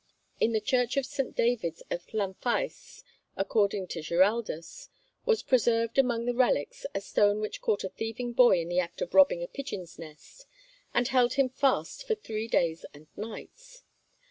In the church of St. David's of Llanfaes, according to Giraldus, was preserved among the relics a stone which caught a thieving boy in the act of robbing a pigeon's nest, and held him fast for three days and nights.